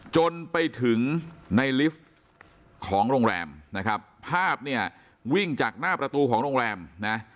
จนไปถึงในลิฟต์ของโรงแรมนะครับภาพเนี่ยวิ่งจากหน้าประตูของโรงแรมนะ